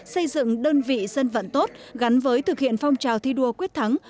xây dựng đơn vị dân vận tốt gắn với thực hiện phong trào thi đua quyết thắng